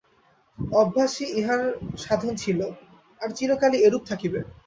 অভ্যাসই ইহার সাধন ছিল, আর চিরকালই এরূপ থাকিবে।